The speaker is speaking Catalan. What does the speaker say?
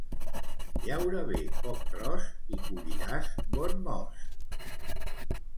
Llaura bé poc tros i colliràs bon mos.